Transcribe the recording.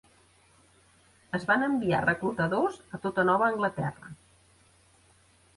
Es van enviar reclutadors a tota Nova Anglaterra.